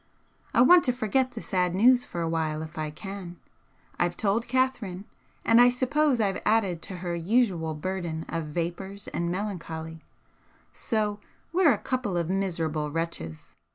I want to forget the sad news for a while if I can. I've told Catherine, and I suppose I've added to her usual burden of vapours and melancholy so we're a couple of miserable wretches.